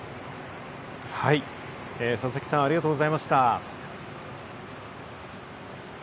佐々木さん、ありがとうございました。